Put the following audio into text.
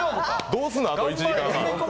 どうすんの、あと１時間半。